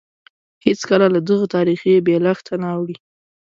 هېڅکله له دغه تاریخي بېلښته نه اوړي.